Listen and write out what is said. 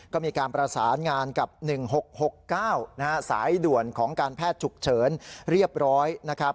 ก็มีการประสานงานกับ๑๖๖๙สายด่วนของการแพทย์ฉุกเฉินเรียบร้อยนะครับ